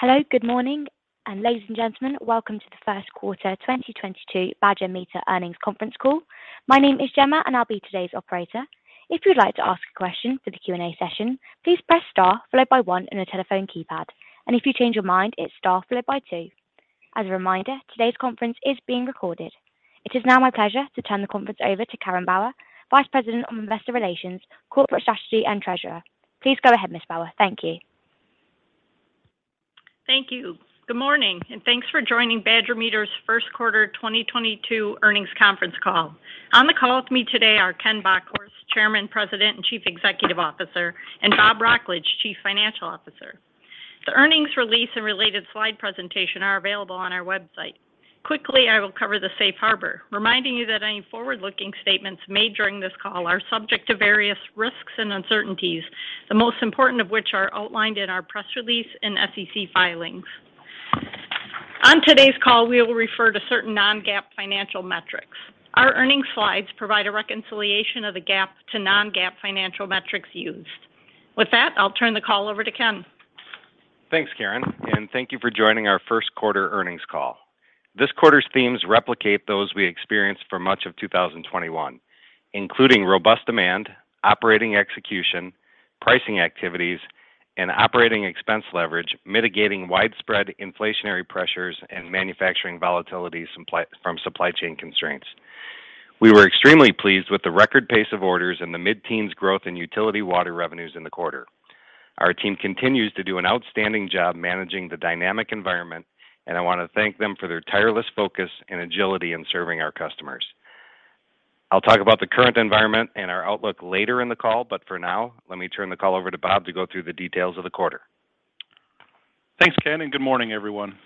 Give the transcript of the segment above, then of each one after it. Hello, good morning, and ladies and gentlemen, welcome to the First Quarter 2022 Badger Meter earnings conference call. My name is Gemma and I'll be today's operator. If you'd like to ask a question for the Q&A session, please press star followed by one on your telephone keypad. If you change your mind, it's star followed by two. As a reminder, today's conference is being recorded. It is now my pleasure to turn the conference over to Karen Bauer, Vice President of Investor Relations, Corporate Strategy, and Treasurer. Please go ahead, Ms. Bauer. Thank you. Thank you. Good morning, and thanks for joining Badger Meter's First Quarter 2022 earnings conference call. On the call with me today are Ken Bockhorst, Chairman, President, and Chief Executive Officer, and Bob Wrocklage, Chief Financial Officer. The earnings release and related slide presentation are available on our website. Quickly, I will cover the Safe Harbor, reminding you that any forward-looking statements made during this call are subject to various risks and uncertainties, the most important of which are outlined in our press release and SEC filings. On today's call, we will refer to certain non-GAAP financial metrics. Our earnings slides provide a reconciliation of the GAAP to non-GAAP financial metrics used. With that, I'll turn the call over to Ken. Thanks, Karen, and thank you for joining our first quarter earnings call. This quarter's themes replicate those we experienced for much of 2021, including robust demand, operating execution, pricing activities, and operating expense leverage, mitigating widespread inflationary pressures and manufacturing volatility from supply chain constraints. We were extremely pleased with the record pace of orders and the mid-teens growth in utility water revenues in the quarter. Our team continues to do an outstanding job managing the dynamic environment, and I want to thank them for their tireless focus and agility in serving our customers. I'll talk about the current environment and our outlook later in the call, but for now, let me turn the call over to Bob to go through the details of the quarter. Thanks, Ken, and good morning, everyone.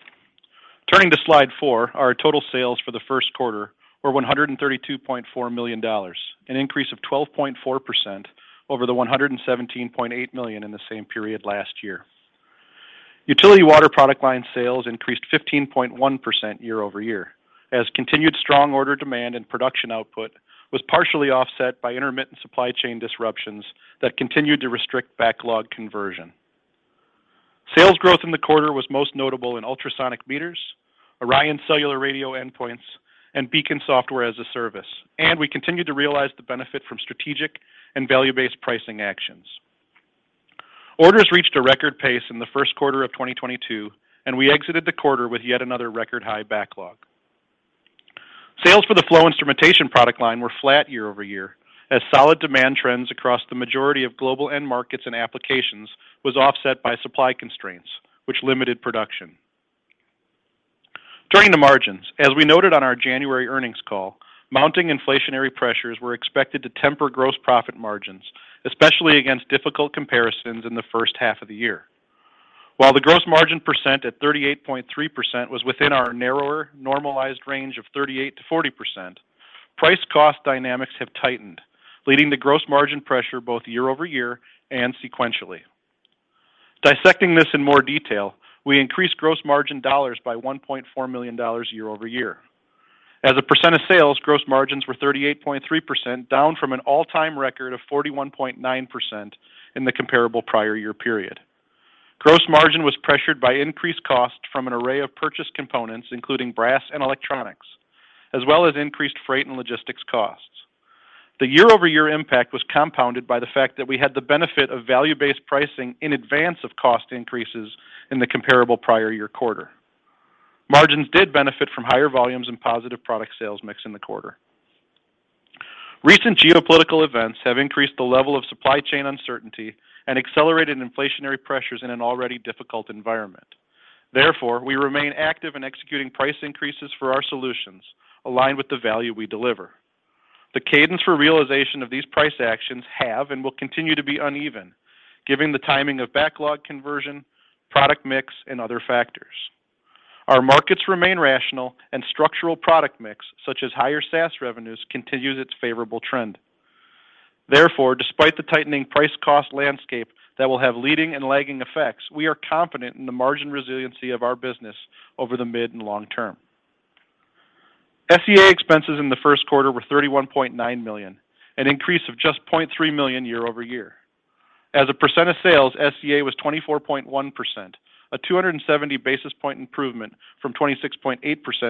Turning to slide four, our total sales for the first quarter were $132.4 million, an increase of 12.4% over the $117.8 million in the same period last year. Utility water product line sales increased 15.1% year-over-year, as continued strong order demand and production output was partially offset by intermittent supply chain disruptions that continued to restrict backlog conversion. Sales growth in the quarter was most notable in ultrasonic meters, ORION cellular radio endpoints, and BEACON Software as a Service, and we continued to realize the benefit from strategic and value-based pricing actions. Orders reached a record pace in the first quarter of 2022, and we exited the quarter with yet another record high backlog. Sales for the flow instrumentation product line were flat year over year as solid demand trends across the majority of global end markets and applications was offset by supply constraints, which limited production. Turning to margins. As we noted on our January earnings call, mounting inflationary pressures were expected to temper gross profit margins, especially against difficult comparisons in the first half of the year. While the gross margin percent at 38.3% was within our narrower normalized range of 38%-40%, price cost dynamics have tightened, leading to gross margin pressure both year over year and sequentially. Dissecting this in more detail, we increased gross margin dollars by $1.4 million year-over-year. As a percent of sales, gross margins were 38.3%, down from an all-time record of 41.9% in the comparable prior year period. Gross margin was pressured by increased cost from an array of purchase components, including brass and electronics, as well as increased freight and logistics costs. The year-over-year impact was compounded by the fact that we had the benefit of value-based pricing in advance of cost increases in the comparable prior year quarter. Margins did benefit from higher volumes and positive product sales mix in the quarter. Recent geopolitical events have increased the level of supply chain uncertainty and accelerated inflationary pressures in an already difficult environment. Therefore, we remain active in executing price increases for our solutions aligned with the value we deliver. The cadence for realization of these price actions have and will continue to be uneven given the timing of backlog conversion, product mix, and other factors. Our markets remain rational and structural product mix, such as higher SaaS revenues, continues its favorable trend. Therefore, despite the tightening price cost landscape that will have leading and lagging effects, we are confident in the margin resiliency of our business over the mid and long term. SEA expenses in the first quarter were $31.9 million, an increase of just $0.3 million year-over-year. As a percent of sales, SEA was 24.1%, a 270 basis point improvement from 26.8%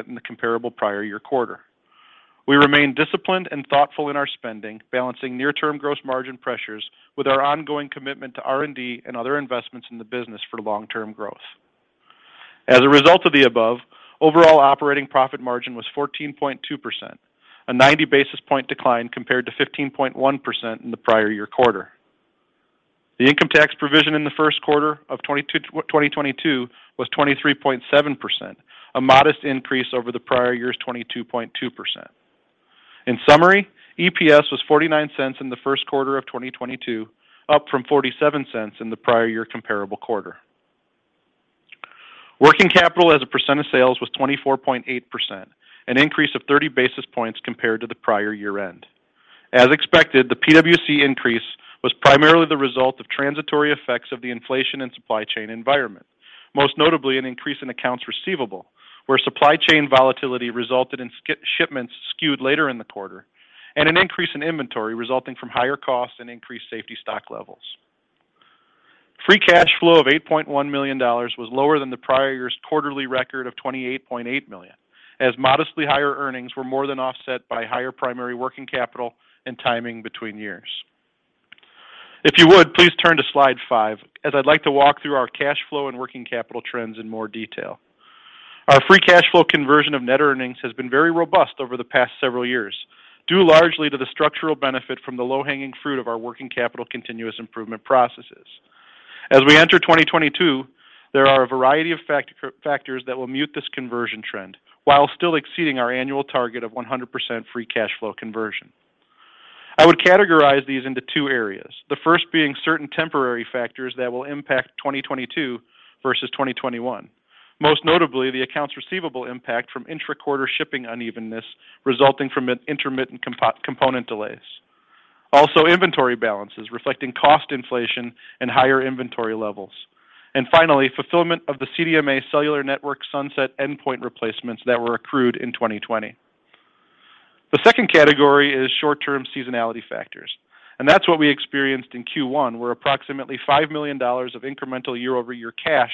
in the comparable prior year quarter. We remain disciplined and thoughtful in our spending, balancing near-term gross margin pressures with our ongoing commitment to R&D and other investments in the business for long-term growth. As a result of the above, overall operating profit margin was 14.2%, a 90 basis point decline compared to 15.1% in the prior year quarter. The income tax provision in the first quarter of 2022 was 23.7%, a modest increase over the prior year's 22.2%. In summary, EPS was $0.49 in the first quarter of 2022, up from $0.47 in the prior year comparable quarter. Working capital as a percent of sales was 24.8%, an increase of 30 basis points compared to the prior year end. As expected, the PWC increase was primarily the result of transitory effects of the inflation and supply chain environment, most notably an increase in accounts receivable, where supply chain volatility resulted in shipments skewed later in the quarter, and an increase in inventory resulting from higher costs and increased safety stock levels. Free Cash Flow of $8.1 million was lower than the prior year's quarterly record of $28.8 million, as modestly higher earnings were more than offset by higher primary working capital and timing between years. If you would, please turn to slide five, as I'd like to walk through our cash flow and working capital trends in more detail. Our Free Cash Flow conversion of net earnings has been very robust over the past several years, due largely to the structural benefit from the low-hanging fruit of our working capital continuous improvement processes. As we enter 2022, there are a variety of factors that will mute this conversion trend while still exceeding our annual target of 100% Free Cash Flow conversion. I would categorize these into two areas. The first being certain temporary factors that will impact 2022 versus 2021. Most notably, the accounts receivable impact from intra-quarter shipping unevenness resulting from an intermittent component delays. Inventory balances reflecting cost inflation and higher inventory levels. Finally, fulfillment of the CDMA cellular network sunset endpoint replacements that were accrued in 2020. The second category is short-term seasonality factors, and that's what we experienced in Q1, where approximately $5 million of incremental year-over-year cash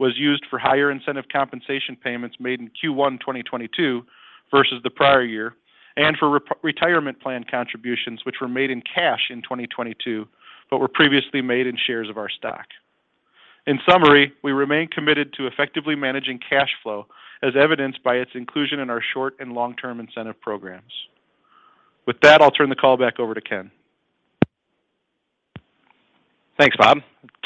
was used for higher incentive compensation payments made in Q1 2022 versus the prior year, and for retirement plan contributions, which were made in cash in 2022, but were previously made in shares of our stock. In summary, we remain committed to effectively managing cash flow, as evidenced by its inclusion in our short- and long-term incentive programs. With that, I'll turn the call back over to Ken. Thanks, Bob.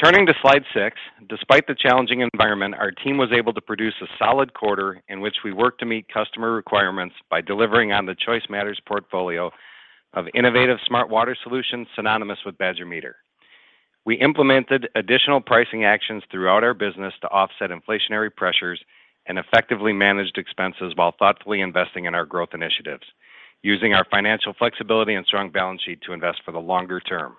Turning to slide six, despite the challenging environment, our team was able to produce a solid quarter in which we worked to meet customer requirements by delivering on the Choice Matters portfolio of innovative smart water solutions synonymous with Badger Meter. We implemented additional pricing actions throughout our business to offset inflationary pressures and effectively managed expenses while thoughtfully investing in our growth initiatives, using our financial flexibility and strong balance sheet to invest for the longer term.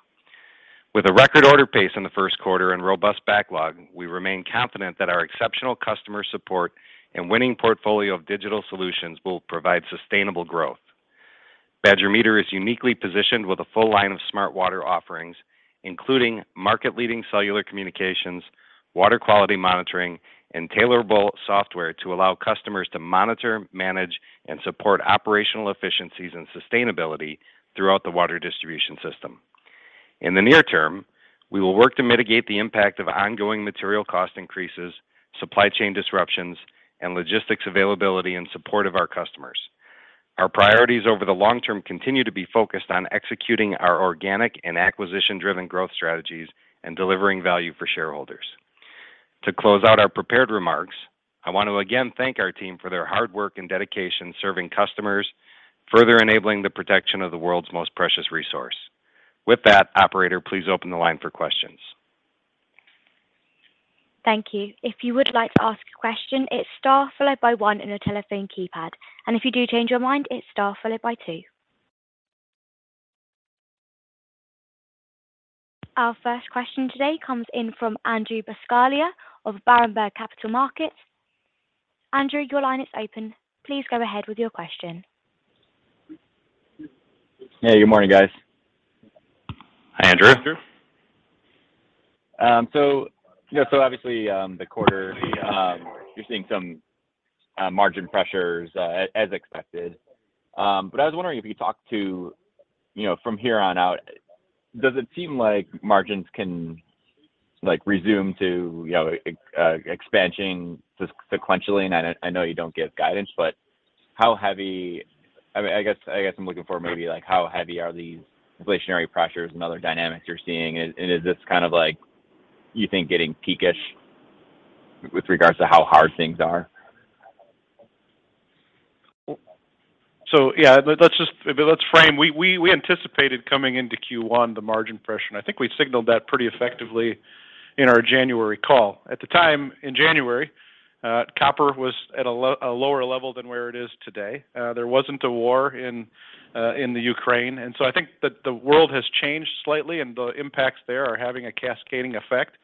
With a record order pace in the first quarter and robust backlog, we remain confident that our exceptional customer support and winning portfolio of digital solutions will provide sustainable growth. Badger Meter is uniquely positioned with a full line of smart water offerings, including market-leading cellular communications, water quality monitoring, and tailorable software to allow customers to monitor, manage, and support operational efficiencies and sustainability throughout the water distribution system. In the near term, we will work to mitigate the impact of ongoing material cost increases, supply chain disruptions, and logistics availability in support of our customers. Our priorities over the long term continue to be focused on executing our organic and acquisition-driven growth strategies and delivering value for shareholders. To close out our prepared remarks, I want to again thank our team for their hard work and dedication serving customers, further enabling the protection of the world's most precious resource. With that, operator, please open the line for questions. Thank you. If you would like to ask a question, it's star followed by one on your telephone keypad. If you do change your mind, it's star followed by two. Our first question today comes in from Andrew Buscaglia of Berenberg Capital Markets. Andrew, your line is open. Please go ahead with your question. Hey, good morning, guys. Hi, Andrew. Andrew. You know, so obviously, the quarter, you're seeing some margin pressures, as expected. But I was wondering if you could talk to, you know, from here on out, does it seem like margins can, like, resume to, you know, expansion sequentially? And I know you don't give guidance, but how heavy I guess I'm looking for maybe, like, how heavy are these inflationary pressures and other dynamics you're seeing? And is this kind of, like, you think getting peak-ish with regards to how hard things are? We anticipated coming into Q1 the margin pressure, and I think we signaled that pretty effectively in our January call. At the time, in January, copper was at a lower level than where it is today. There wasn't a war in the Ukraine. I think that the world has changed slightly and the impacts there are having a cascading effect.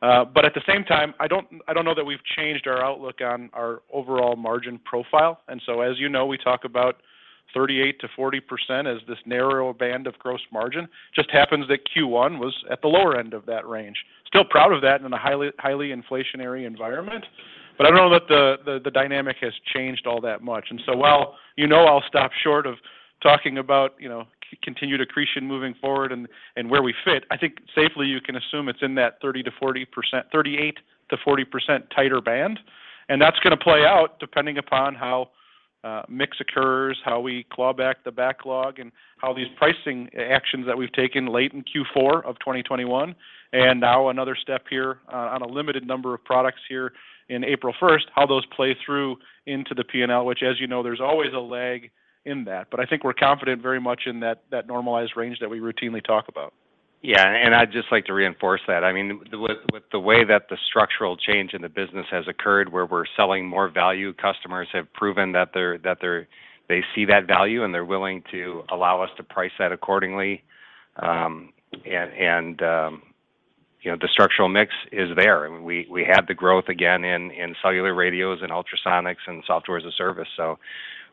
But at the same time, I don't know that we've changed our outlook on our overall margin profile. As you know, we talk about 38%-40% as this narrow band of gross margin. Just happens that Q1 was at the lower end of that range. Still proud of that in a highly inflationary environment, but I don't know that the dynamic has changed all that much. While you know I'll stop short of talking about, you know, continued accretion moving forward and where we fit, I think safely you can assume it's in that 30%-40%, 38%-40% tighter band. That's gonna play out depending upon how mix occurs, how we claw back the backlog, and how these pricing actions that we've taken late in Q4 of 2021, and now another step here on a limited number of products here in April 1, how those play through into the P&L, which, as you know, there's always a lag in that. I think we're confident very much in that normalized range that we routinely talk about. Yeah. I'd just like to reinforce that. I mean, with the way that the structural change in the business has occurred, where we're selling more value, customers have proven that they see that value and they're willing to allow us to price that accordingly. You know, the structural mix is there. I mean, we had the growth again in cellular radios and ultrasonics and Software as a Service.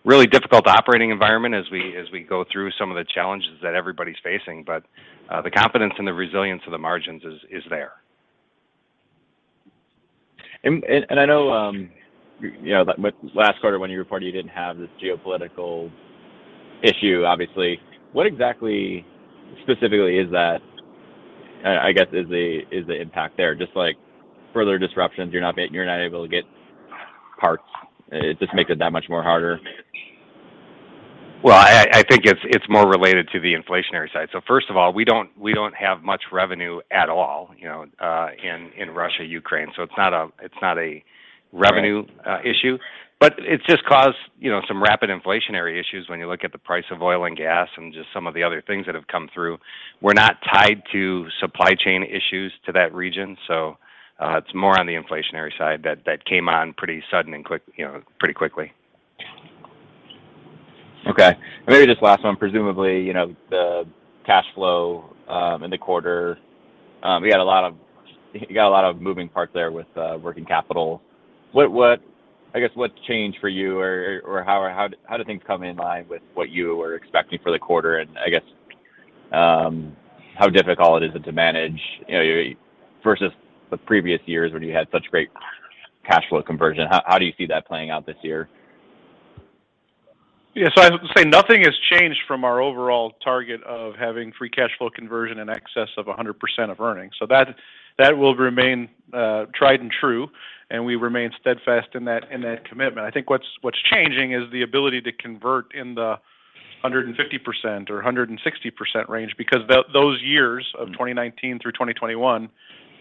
Really difficult operating environment as we go through some of the challenges that everybody's facing. The confidence and the resilience of the margins is there. I know, you know, like with last quarter when you reported you didn't have this geopolitical issue, obviously. What exactly specifically is that? I guess is the impact there? Just like further disruptions, you're not able to get parts. It just makes it that much more harder? Well, I think it's more related to the inflationary side. First of all, we don't have much revenue at all, you know, in Russia, Ukraine, so it's not a revenue. Right Issue. It's just caused, you know, some rapid inflationary issues when you look at the price of oil and gas and just some of the other things that have come through. We're not tied to supply chain issues to that region, so, it's more on the inflationary side that came on pretty sudden and quick, you know, pretty quickly. Okay. Maybe just last one, presumably, you know, the cash flow in the quarter. You got a lot of moving parts there with working capital. I guess, what's changed for you or how do things come in line with what you were expecting for the quarter? I guess, how difficult it is then to manage, you know, versus the previous years when you had such great cash flow conversion? How do you see that playing out this year? I have to say nothing has changed from our overall target of having Free Cash Flow conversion in excess of 100% of earnings. That will remain tried and true, and we remain steadfast in that commitment. I think what's changing is the ability to convert in the 150% or 160% range because those years of 2019 through 2021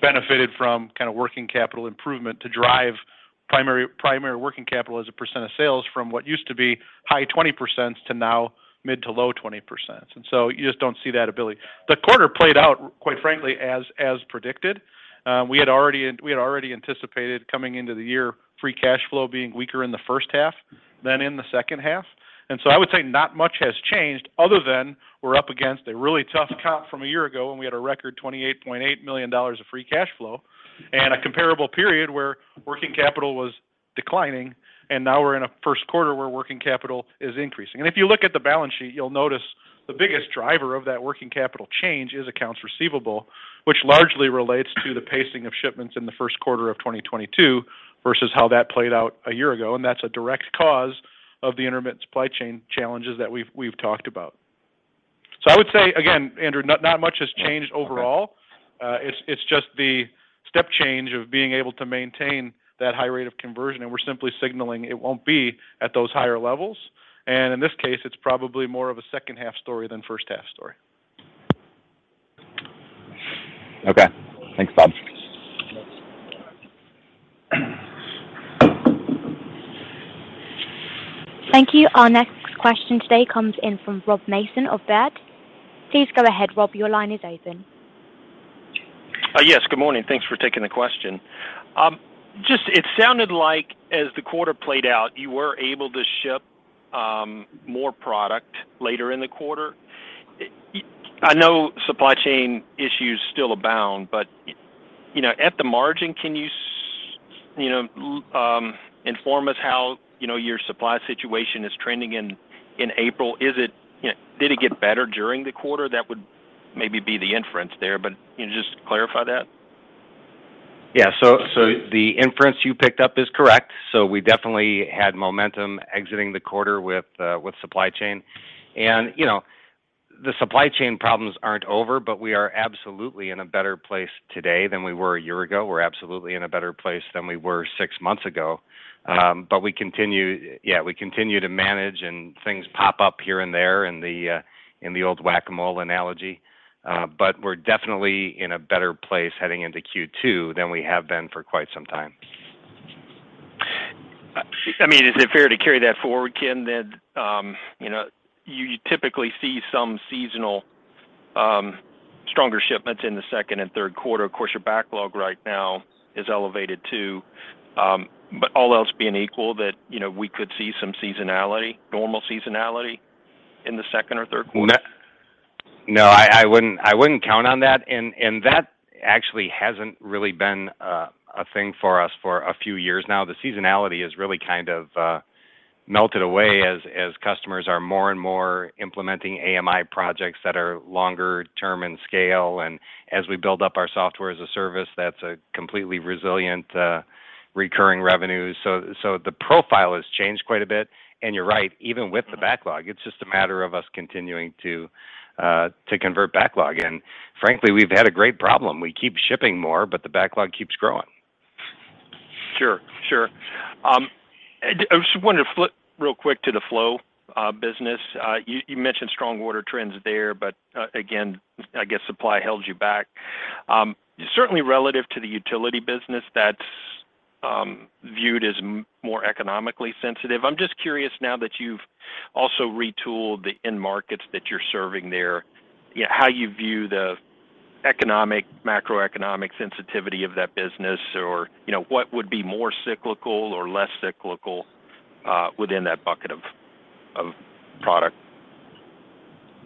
benefited from kind of working capital improvement to drive primary working capital as a percent of sales from what used to be high 20s% to now mid to low 20s%. You just don't see that ability. The quarter played out quite frankly as predicted. We had already anticipated coming into the year Free Cash Flow being weaker in the first half than in the second half. I would say not much has changed other than we're up against a really tough comp from a year ago when we had a record $28.8 million of Free Cash Flow and a comparable period where working capital was declining, and now we're in a first quarter where working capital is increasing. If you look at the balance sheet, you'll notice the biggest driver of that working capital change is accounts receivable, which largely relates to the pacing of shipments in the first quarter of 2022 versus how that played out a year ago, and that's a direct cause of the intermittent supply chain challenges that we've talked about. I would say again, Andrew, not much has changed overall. Yeah. Okay. It's just the step change of being able to maintain that high rate of conversion, and we're simply signaling it won't be at those higher levels. In this case, it's probably more of a second half story than first half story. Okay. Thanks, Bob. Thank you. Our next question today comes in from Rob Mason of Baird. Please go ahead, Rob. Your line is open. Yes. Good morning. Thanks for taking the question. Just it sounded like as the quarter played out, you were able to ship more product later in the quarter. I know supply chain issues still abound, but you know, at the margin, can you inform us how you know, your supply situation is trending in April? Is it you know, did it get better during the quarter? That would maybe be the inference there, but can you just clarify that? The inference you picked up is correct. We definitely had momentum exiting the quarter with supply chain. You know, the supply chain problems aren't over, but we are absolutely in a better place today than we were a year ago. We're absolutely in a better place than we were six months ago. But we continue to manage and things pop up here and there in the old whack-a-mole analogy. But we're definitely in a better place heading into Q2 than we have been for quite some time. I mean, is it fair to carry that forward, Ken, then, you know, you typically see some seasonal, stronger shipments in the second and third quarter. Of course, your backlog right now is elevated too. All else being equal that, you know, we could see some seasonality, normal seasonality in the second or third quarter? No, I wouldn't count on that. That actually hasn't really been a thing for us for a few years now. The seasonality has really kind of melted away as customers are more and more implementing AMI projects that are longer term in scale. As we build up our software as a service, that's a completely resilient recurring revenue. The profile has changed quite a bit. You're right, even with the backlog, it's just a matter of us continuing to convert backlog. Frankly, we've had a great problem. We keep shipping more, but the backlog keeps growing. Sure. I just wanted to flip real quick to the flow business. You mentioned strong order trends there, but again, I guess supply held you back. Certainly relative to the utility business that's viewed as more economically sensitive. I'm just curious now that you've also retooled the end markets that you're serving there, you know, how you view the economic, macroeconomic sensitivity of that business, or, you know, what would be more cyclical or less cyclical within that bucket of product?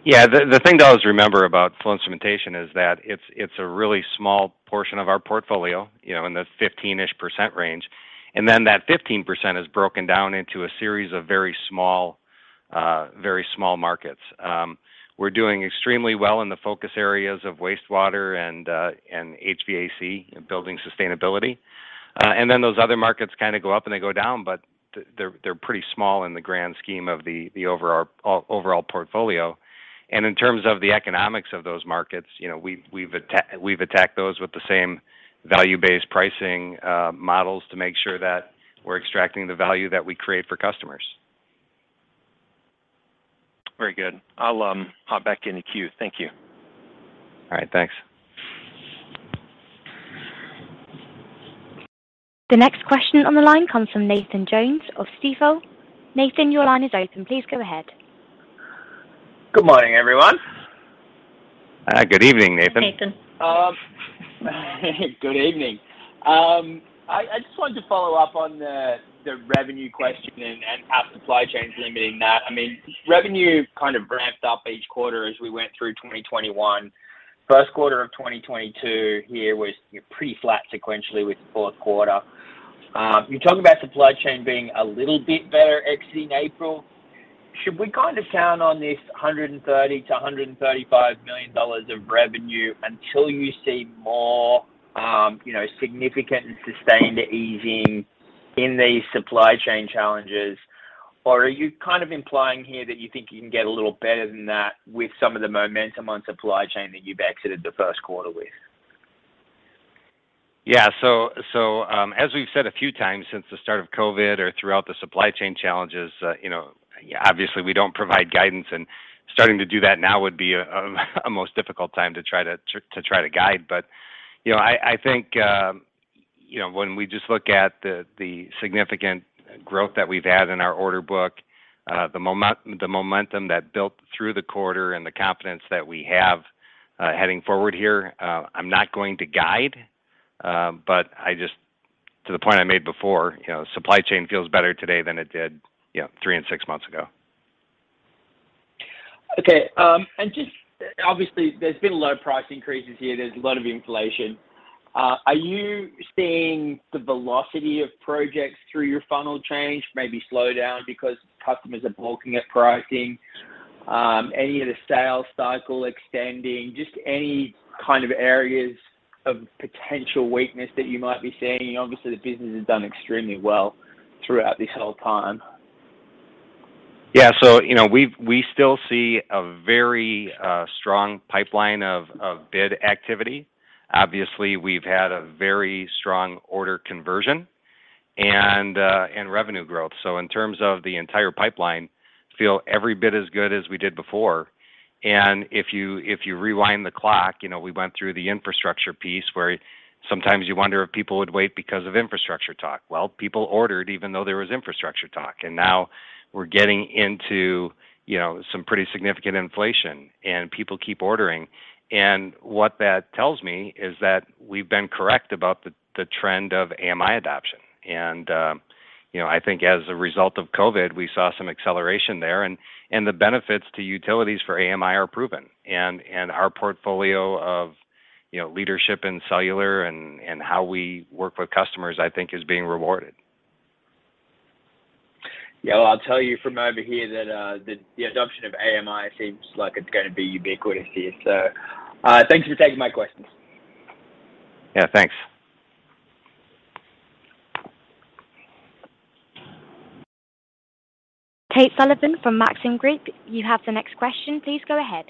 Yeah, the thing to always remember about flow instrumentation is that it's a really small portion of our portfolio, you know, in the 15%-ish range. That 15% is broken down into a series of very small markets. We're doing extremely well in the focus areas of wastewater and HVAC and building sustainability. Those other markets kind of go up, and they go down, but they're pretty small in the grand scheme of the overall portfolio. In terms of the economics of those markets, you know, we've attacked those with the same value-based pricing models to make sure that we're extracting the value that we create for customers. Very good. I'll hop back in the queue. Thank you. All right. Thanks. The next question on the line comes from Nathan Jones of Stifel. Nathan, your line is open. Please go ahead. Good morning, everyone. Good evening, Nathan. Nathan. Good evening. I just wanted to follow up on the revenue question and have supply chains limiting that. I mean, revenue kind of ramped up each quarter as we went through 2021. First quarter of 2022 here was pretty flat sequentially with the fourth quarter. You talk about supply chain being a little bit better exiting April. Should we kind of count on this $130 million-$135 million of revenue until you see more, you know, significant and sustained easing in these supply chain challenges? Or are you kind of implying here that you think you can get a little better than that with some of the momentum on supply chain that you've exited the first quarter with? As we've said a few times since the start of COVID or throughout the supply chain challenges, you know, obviously, we don't provide guidance, and starting to do that now would be a most difficult time to try to guide. You know, I think, you know, when we just look at the significant growth that we've had in our order book, the momentum that built through the quarter and the confidence that we have heading forward here, I'm not going to guide. To the point I made before, you know, supply chain feels better today than it did, you know, three and six months ago. Okay. Just obviously, there's been a lot of price increases here. There's a lot of inflation. Are you seeing the velocity of projects through your funnel change, maybe slow down because customers are balking at pricing? Any of the sales cycle extending? Just any kind of areas of potential weakness that you might be seeing. Obviously, the business has done extremely well throughout this whole time. Yeah. So, you know, we still see a very strong pipeline of bid activity. Obviously, we've had a very strong order conversion and revenue growth. So in terms of the entire pipeline, we feel every bit as good as we did before. If you rewind the clock, you know, we went through the infrastructure piece where sometimes you wonder if people would wait because of infrastructure talk. Well, people ordered even though there was infrastructure talk. Now we're getting into, you know, some pretty significant inflation, and people keep ordering. What that tells me is that we've been correct about the trend of AMI adoption. You know, I think as a result of COVID, we saw some acceleration there. The benefits to utilities for AMI are proven. Our portfolio of, you know, leadership in cellular and how we work with customers, I think, is being rewarded. Yeah. Well, I'll tell you from over here that the adoption of AMI seems like it's gonna be ubiquitous here. Thanks for taking my questions. Yeah, thanks. Tate Sullivan from Maxim Group, you have the next question. Please go ahead.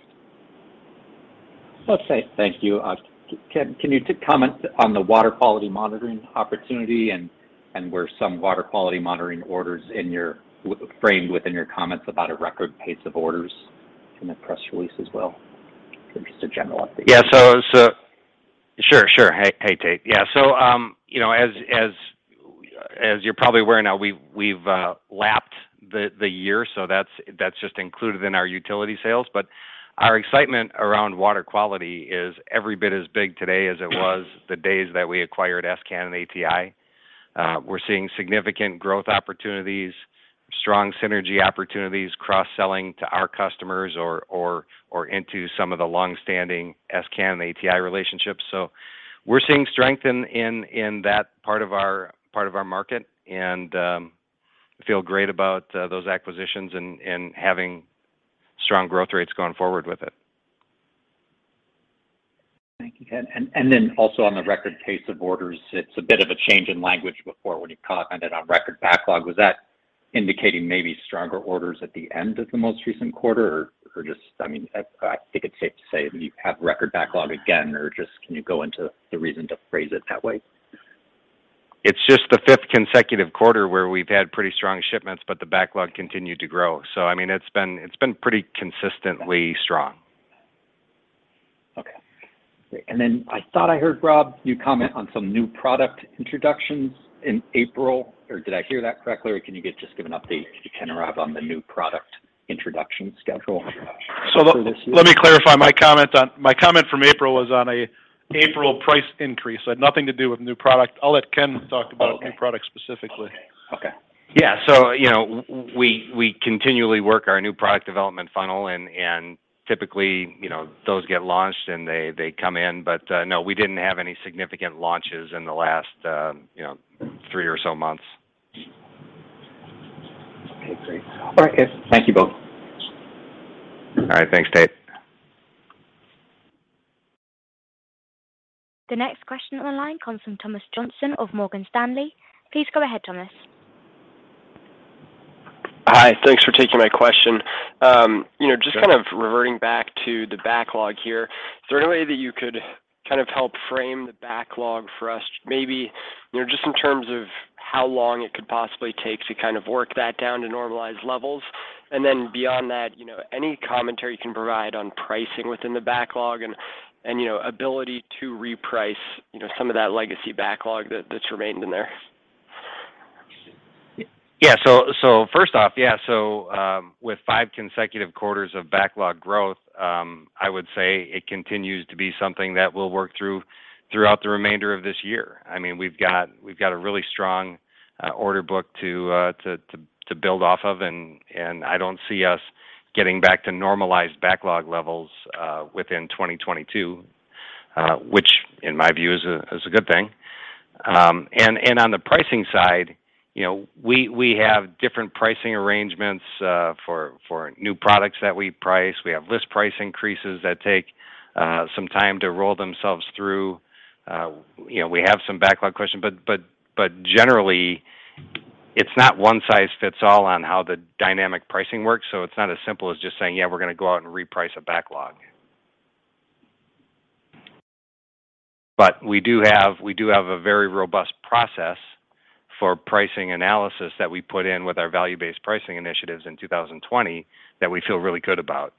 Well, thank you. Can you comment on the water quality monitoring opportunity and were some water quality monitoring orders framed within your comments about a record pace of orders in the press release as well? Just a general update. Yeah. Sure, sure. Hey, Tate. Yeah. You know, as you're probably aware now, we've lapped the year, so that's just included in our utility sales. Our excitement around water quality is every bit as big today as it was the days that we acquired s::can and ATI. We're seeing significant growth opportunities, strong synergy opportunities, cross-selling to our customers or into some of the long-standing s::can and ATI relationships. We're seeing strength in that part of our market and feel great about those acquisitions and having strong growth rates going forward with it. Thank you. Also on the record pace of orders, it's a bit of a change in language before when you commented on record backlog. Was that indicating maybe stronger orders at the end of the most recent quarter or just I mean, I think it's safe to say that you have record backlog again or just can you go into the reason to phrase it that way? It's just the fifth consecutive quarter where we've had pretty strong shipments, but the backlog continued to grow. I mean, it's been pretty consistently strong. Okay. Great. I thought I heard, Rob, you comment on some new product introductions in April. Did I hear that correctly? Can you just give an update, Ken or Rob, on the new product introduction schedule after this year? Let me clarify. My comment from April was on an April price increase. It had nothing to do with new product. I'll let Ken talk about new product specifically. Okay. Okay. Yeah. You know, we continually work our new product development funnel and typically, you know, those get launched and they come in. No, we didn't have any significant launches in the last, you know, three or so months. Okay, great. All right. Thank you both. All right, thanks Tate. The next question on the line comes from Thomas Johnson of Morgan Stanley. Please go ahead, Thomas. Hi. Thanks for taking my question. You know, just kind of reverting back to the backlog here, is there any way that you could kind of help frame the backlog for us? Maybe, you know, just in terms of how long it could possibly take to kind of work that down to normalized levels. Beyond that, you know, any commentary you can provide on pricing within the backlog and, you know, ability to reprice, you know, some of that legacy backlog that's remained in there. First off, with five consecutive quarters of backlog growth, I would say it continues to be something that we'll work through throughout the remainder of this year. I mean, we've got a really strong order book to build off of, and I don't see us getting back to normalized backlog levels within 2022, which in my view is a good thing. On the pricing side, you know, we have different pricing arrangements for new products that we price. We have list price increases that take some time to roll themselves through. You know, we have some backlog questions. Generally it's not one size fits all on how the dynamic pricing works, so it's not as simple as just saying, "Yeah, we're gonna go out and reprice a backlog." We do have a very robust process for pricing analysis that we put in with our value-based pricing initiatives in 2020 that we feel really good about.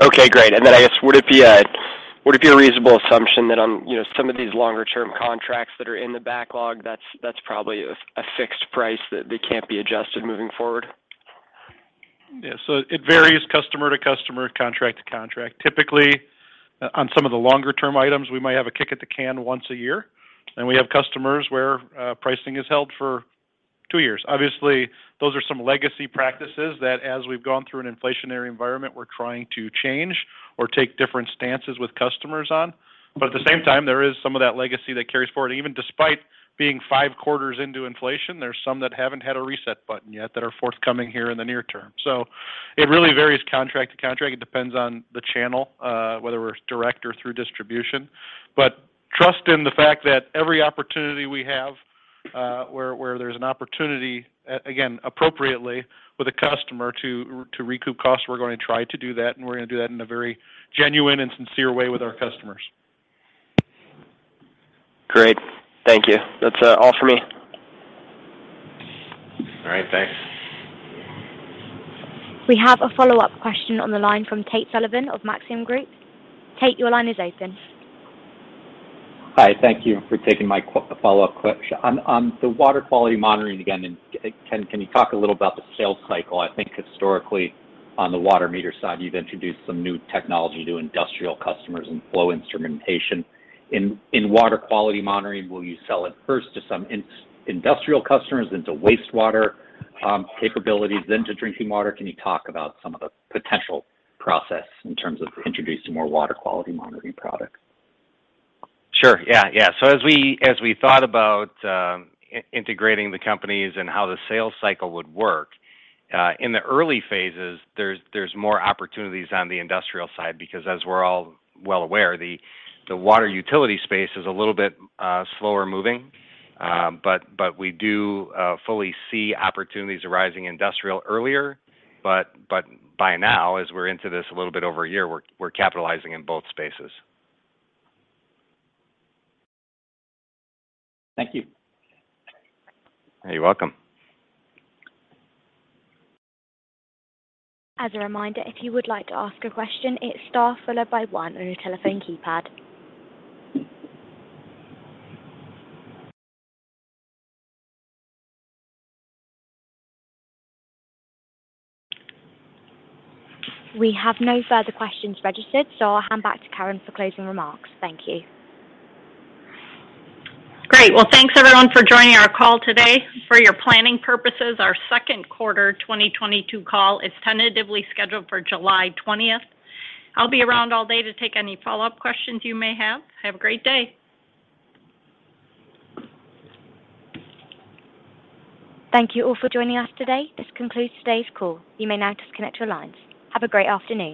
Okay, great. I guess, would it be a reasonable assumption that on, you know, some of these longer term contracts that are in the backlog, that's probably a fixed price, that they can't be adjusted moving forward? Yeah. It varies customer to customer, contract to contract. Typically, on some of the longer term items, we might have a kick at the can once a year, and we have customers where pricing is held for two years. Obviously, those are some legacy practices that as we've gone through an inflationary environment, we're trying to change or take different stances with customers on. At the same time, there is some of that legacy that carries forward. Even despite being five quarters into inflation, there's some that haven't had a reset button yet that are forthcoming here in the near term. It really varies contract to contract. It depends on the channel, whether we're direct or through distribution. Trust in the fact that every opportunity we have, where there's an opportunity, again, appropriately with a customer to recoup costs, we're gonna try to do that, and we're gonna do that in a very genuine and sincere way with our customers. Great. Thank you. That's all for me. All right. Thanks. We have a follow-up question on the line from Tate Sullivan of Maxim Group. Tate, your line is open. Hi. Thank you for taking my follow-up question. On the water quality monitoring again and can you talk a little about the sales cycle? I think historically on the water meter side, you've introduced some new technology to industrial customers and flow instrumentation. In water quality monitoring, will you sell it first to some industrial customers into wastewater capabilities then to drinking water? Can you talk about some of the potential process in terms of introducing more water quality monitoring products? Sure. Yeah. As we thought about integrating the companies and how the sales cycle would work in the early phases, there's more opportunities on the industrial side because as we're all well aware, the water utility space is a little bit slower moving. We do fully see opportunities arising industrial earlier. By now, as we're into this a little bit over a year, we're capitalizing in both spaces. Thank you. You're welcome. As a reminder, if you would like to ask a question, it's star followed by one on your telephone keypad. We have no further questions registered, so I'll hand back to Karen for closing remarks. Thank you. Great. Well, thanks everyone for joining our call today. For your planning purposes, our second quarter 2022 call is tentatively scheduled for July 20. I'll be around all day to take any follow-up questions you may have. Have a great day. Thank you all for joining us today. This concludes today's call. You may now disconnect your lines. Have a great afternoon.